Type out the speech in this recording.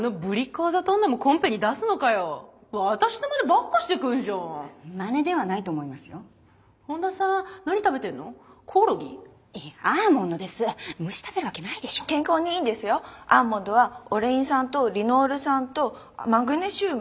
アーモンドはオレイン酸とリノール酸とマグネシウム。